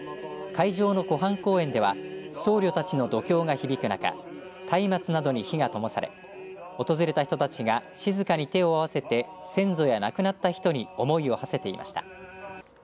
会場の湖畔公園では僧侶たちの読経が響く中たいまつなどに火がともされ訪れた人たちが静かに手を合わせて先祖や亡くなった人に思いをはせていました。